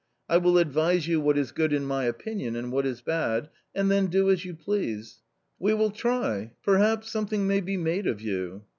I will advise you what is good in my opinion and what is bad, and then do as you please. /We will try — perhaps — something may be made of you.